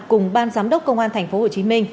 cùng ban giám đốc công an tp hcm